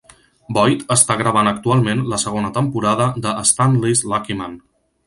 Boyd està gravant actualment la segona temporada de Stan Lee's Lucky Man.